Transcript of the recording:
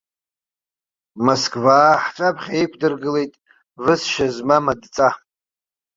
Москваа ҳҿаԥхьа иқәдыргылеит высшьа змам адҵа.